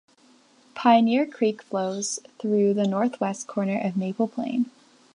Pioneer Creek flows through the northwest corner of Maple Plain.